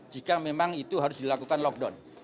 jika memang itu harus dilakukan lockdown